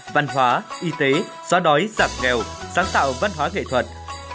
văn hóa y tế xóa đói giảm nghèo sáng tạo văn hóa nghệ thuật